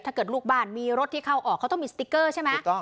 ถ้าเกิดลูกบ้านมีรถที่เข้าออกเขาต้องมีสติ๊กเกอร์ใช่ไหม